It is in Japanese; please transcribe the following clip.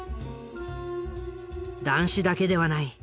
談志だけではない。